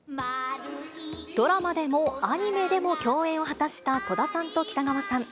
ドラマでもアニメでも共演を果たした戸田さんと北川さん。